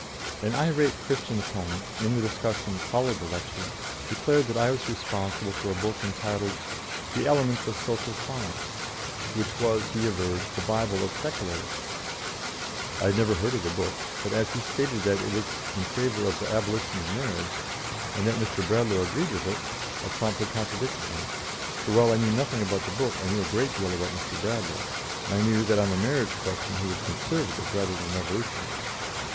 An irate Christian opponent, in the discussion that followed the lecture, declared that I was responsible for a book entitled, "The Elements of Social Science," which was, he averred, "The Bible of Secularists." I had never heard of the book, but as he stated that it was in favour of the abolition of marriage, and that Mr. Bradlaugh agreed with it, I promptly contradicted him; for while I knew nothing about the book, I knew a great deal about Mr. Bradlaugh, and I knew that on the marriage question he was conservative rather than revolutionary.